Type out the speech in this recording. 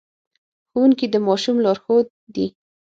ښوونکي د ماشوم لارښود دي.